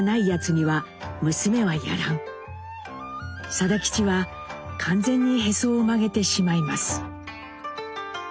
定吉は完全にヘソを曲げてしまいます。